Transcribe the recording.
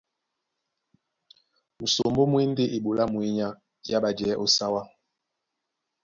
Musombó mú e ndé eɓoló á mwěnyá yá ɓajɛɛ̌ ó sáwá.